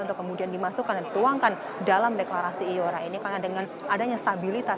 untuk kemudian dimasukkan dan dituangkan dalam deklarasi iora ini karena dengan adanya stabilitas